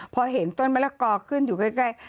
พอเห็นต้นมะละกอขึ้นอยู่ใกล้